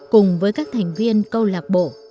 cùng với các thành viên câu lạc bộ